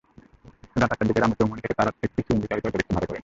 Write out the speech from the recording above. রাত আটটার দিকে রামু চৌমুহনী থেকে তাঁরা একটি সিএনজিচালিত অটোরিকশা ভাড়া করেন।